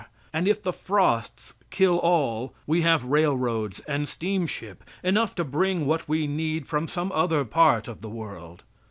And if the frosts kill all, we have railroads and steamship enough to bring what we need from some other part of the world.